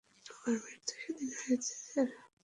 আমার মৃত্যু সেদিনই হয়েছে, স্যার।